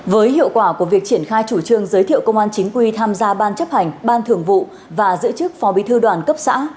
với hiệu quả của việc triển khai chủ trương giới thiệu công an chính quy tham gia ban chấp hành ban thường vụ và giữ chức phó bí thư đoàn cấp xã